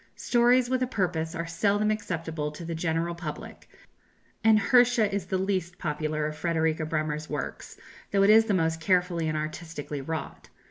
Stories with a purpose are seldom acceptable to the general public, and "Hersha" is the least popular of Frederika Bremer's works, though it is the most carefully and artistically wrought.